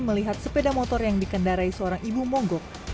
melihat sepeda motor yang dikendarai seorang ibu monggok